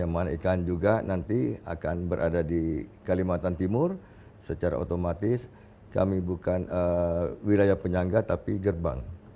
taman ikn juga nanti akan berada di kalimantan timur secara otomatis kami bukan wilayah penyangga tapi gerbang